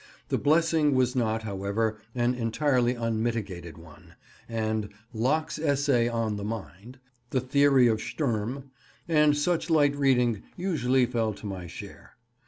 The blessing was not, however, an entirely unmitigated one; and "Locke's Essay on the Mind," "The Theory of Sturm," and such light reading usually fell to my share.